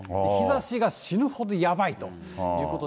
日ざしが死ぬほどやばいということで。